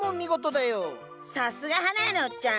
さすが花屋のおっちゃん！